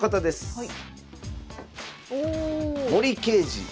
はい。